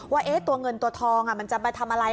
ว่าตัวเงินตัวทองมันจะมาทำอะไร